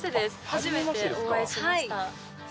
初めてお会いしました。